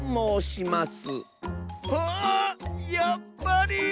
あやっぱり！